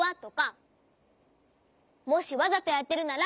もしわざとやってるなら。